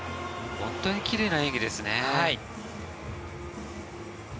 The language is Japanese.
本当に奇麗な演技ですね。